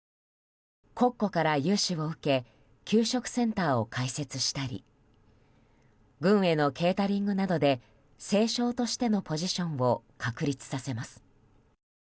国庫から融資を受け給食センターを開設したり軍へのケータリングなどで政商としてのポジションを確立させます。